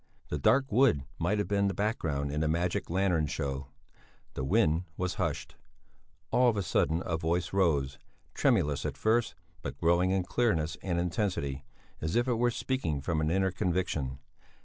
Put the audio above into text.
The dark wood might have been the background in a magic lantern show; the wind was hushed. All of a sudden a voice rose, tremulous at first, but growing in clearness and intensity, as if it were speaking from an inner conviction.